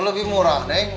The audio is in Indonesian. lebih murah neng